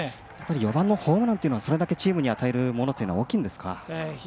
４番のホームランというのは、それだけチームに与えるものというのは大きいんですか。